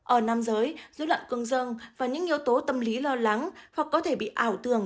ở nam giới dối loạn cương dương và những yếu tố tâm lý lo lắng hoặc có thể bị ảo tường